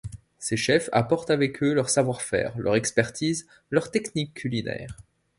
Ces chefs apportent avec eux leur savoir-faire, leur expertise, leurs techniques culinaires.